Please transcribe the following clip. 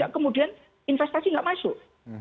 kemudian investasi tidak masuk